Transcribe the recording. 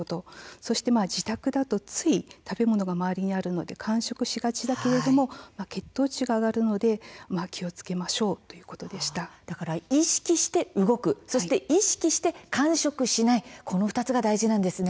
そして自宅だとつい食べ物が周りにあるので間食しがちだけれども血糖値が上がるので気をつけま意識して動く、意識して間食しない、この２つが大事なんですね。